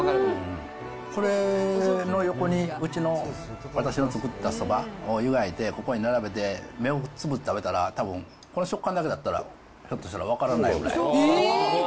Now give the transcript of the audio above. これの横にうちの、私の作ったそばをゆがいて、ここに並べて、目をつぶって食べたら、たぶんこの食感だけだったら、ひょっとしたら分からないぐらい。